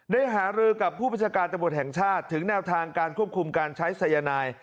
ได้หารือกับผู้พิจารณ์จับบทแห่งชาติถึงแนวทางการควบคุมการใช้สัยนาย